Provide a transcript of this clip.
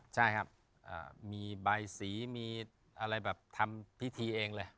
ใช่ครับมีใบสีมีอะไรแบบทำพิธีเองเลย